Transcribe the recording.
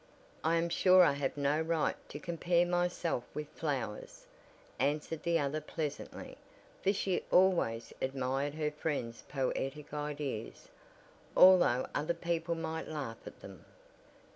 "I am sure I have no right to compare myself with flowers," answered the other pleasantly, for she always admired her friend's poetic ideas, although other people might laugh at them.